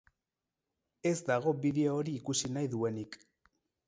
Ez dago bideo hori ikusi nahi duenik.